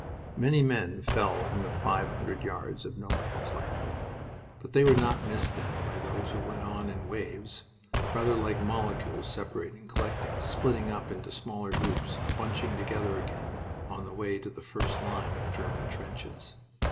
Many men fell in the five hundred yards of No Man's Land. But they were not missed then by those who went on in waves rather, like molecules, separating, collecting, splitting up into smaller groups, bunching together again, on the way to the first line of German trenches.